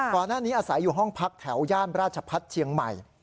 ก่อนหน้านี้อาศัยอยู่ห้องพักแถวย่านราชพัฒน์เชียงใหม่